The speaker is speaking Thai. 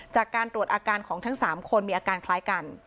จากการตรวจอาการของทั้ง๓คนมีอาการคล้ายกัน